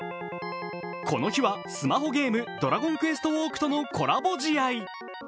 この日はスマホゲーム、ドラゴンクエストウォークとのコラボ試合。